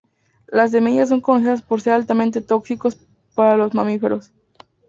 Las semillas son conocidas por ser altamente tóxicos para los mamíferos.